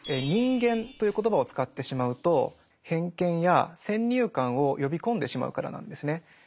人間という言葉を使ってしまうと偏見や先入観を呼び込んでしまうからなんですね。